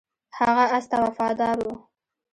هغه اس ته وفادار و.